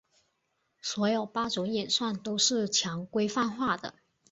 所有八种演算都是强规范化的。